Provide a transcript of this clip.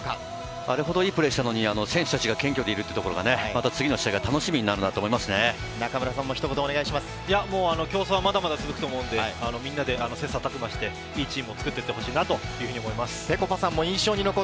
あれほどいいプレーをしたのに、選手たちが謙虚でいるというのが次の試合が楽しみになる競争は、まだまだ続くと思うので、みんなで切磋琢磨していいチームを作っていってほしいなというふうに思います。